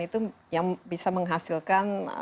itu yang bisa menghasilkan